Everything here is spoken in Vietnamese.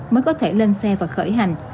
mới có thể lên xe và khởi hành